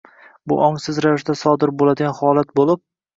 Bu ongsiz ravishda sodir bo‘ladigan holat bo‘lib